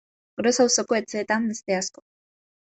Gros auzoko etxeetan beste asko.